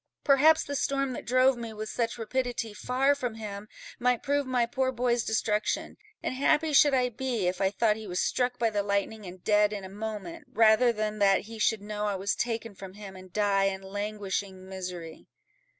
perhaps the storm that drove me, with such rapidity, far from him, might prove my poor boy's destruction; and happy should I be, if I thought he was struck by the lightning, and dead in a moment, rather than that he should know I was taken from him, and die in languishing misery."